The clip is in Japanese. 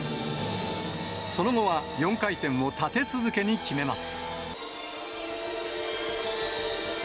その後は４回転を立て続けに決めます。